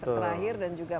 nah ini adalah